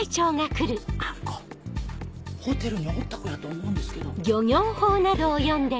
あん子ホテルにおった子やと思うんですけど。